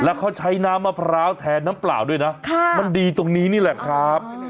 แล้วเขาใช้น้ำมะพร้าวแทนน้ำเปล่าด้วยนะมันดีตรงนี้นี่แหละครับ